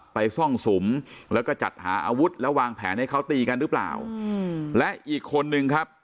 ซ่องสุมแล้วก็จัดหาอาวุธแล้ววางแผนให้เขาตีกันหรือเปล่าอืมและอีกคนนึงครับ